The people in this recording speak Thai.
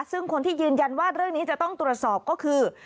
ซึ่งคนที่ยืนยันว่าเรื่องนี้จะต้องตรวจสอบก็คือ